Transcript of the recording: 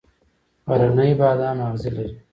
غرنی بادام اغزي لري؟